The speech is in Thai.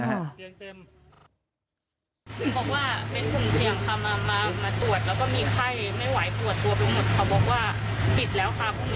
เขาบอกว่าไม่รับตรวจแล้ว